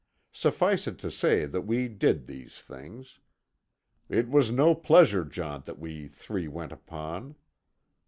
Suffice it to say that we did these things. It was no pleasure jaunt that we three went upon.